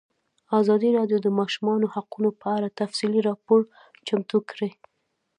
ازادي راډیو د د ماشومانو حقونه په اړه تفصیلي راپور چمتو کړی.